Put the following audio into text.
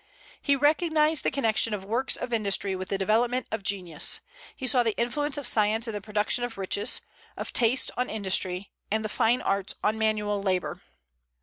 "He recognized the connection of works of industry with the development of genius. He saw the influence of science in the production of riches; of taste on industry; and the fine arts on manual labor."